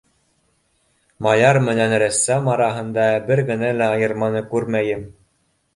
Маляр менән рәссам араһында бер генә лә айырманы күрмәйем.